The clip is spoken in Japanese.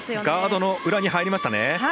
ガードの裏に入りましたね。